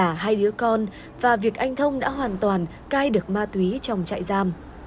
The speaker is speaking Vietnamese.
và niềm tin và hy vọng duy nhất của họ khi ấy là hai đứa con và việc anh thông đã hoàn toàn cai được ma túy trong trại giam